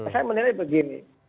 saya menilai begini